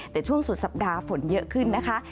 แต่ช่วงสุดสัปดาห์ฝนเยอะขึ้นนะคะ